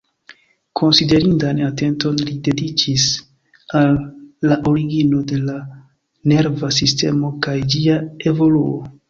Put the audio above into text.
Konsiderindan atenton li dediĉis al la origino de la nerva sistemo kaj ĝia evoluo.